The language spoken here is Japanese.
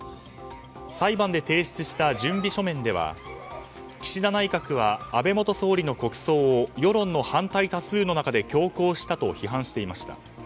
裁判で提出した準備書面では岸田内閣は、安倍元総理の国葬を世論の反対多数の中で強行したと批判していました。